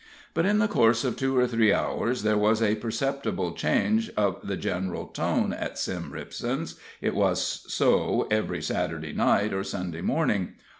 But in the course of two or three hours there was a perceptible change of the general tone at Sim Ripson's it was so every Saturday night, or Sunday morning.